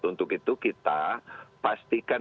untuk itu kita pastikan